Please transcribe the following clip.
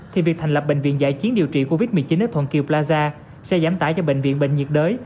thì việc thành lập bệnh viện giải chiến điều trị covid một mươi chín ở thuận kiêu plaza sẽ giảm tải cho bệnh viện bệnh nhiệt đới